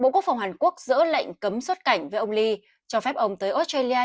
bộ quốc phòng hàn quốc dỡ lệnh cấm xuất cảnh với ông lee cho phép ông tới australia